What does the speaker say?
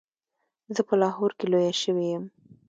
زه په لاهور کې لویه شوې یم.